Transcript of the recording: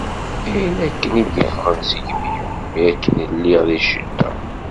Ayen akken i d-iffɣen seg yimi-w mi akken i lliɣ di ccedda.